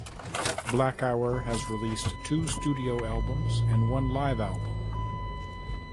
Black Hour has released two studio albums and one live album.